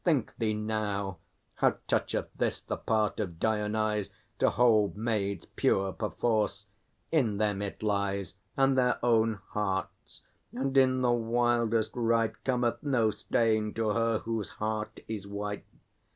Think thee now; How toucheth this the part of Dionyse To hold maids pure perforce? In them it lies, And their own hearts; and in the wildest rite Cometh no stain to her whose heart is white.